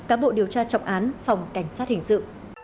cá bộ điều tra trọng án phòng cảnh sát hình sự